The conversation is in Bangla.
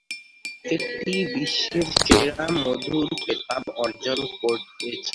এটি বিশ্বের সেরা মধুর খেতাব অর্জন করেছে।